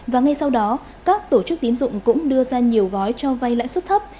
và ngay sau đó các tổ chức tín dụng cũng đưa ra nhiều gói cho vay lãi suất thấp